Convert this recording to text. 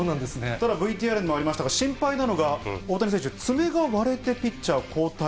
ただ、ＶＴＲにもありましたが、心配なのが、大谷選手、爪が割れてピッチャー交代。